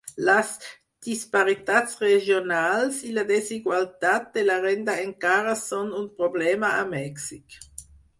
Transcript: Les disparitats regionals i la desigualtat de la renda encara són un problema a Mèxic.